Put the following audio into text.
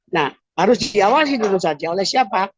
nah harus diawasi dulu saja oleh siapa